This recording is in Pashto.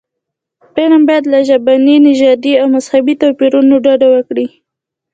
فلم باید له ژبني، نژادي او مذهبي توپیرونو ډډه وکړي